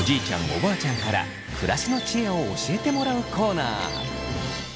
おばあちゃんから暮らしの知恵を教えてもらうコーナー。